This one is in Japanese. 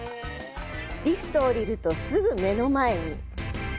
リフトを降りるとすぐ目の前に。